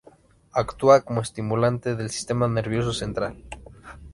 Actúa como estimulante del sistema nervioso central.